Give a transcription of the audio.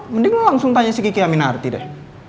mending lo langsung tanya si kiki aminarti deh